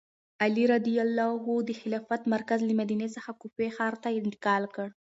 علي رض د خلافت مرکز له مدینې څخه کوفې ښار ته انتقال کړ.